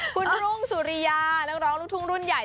คุณรุ่งสุริยานักร้องลูกทุ่งรุ่นใหญ่